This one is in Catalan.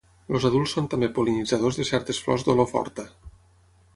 Els adults són també pol·linitzadors de certes flors d'olor forta.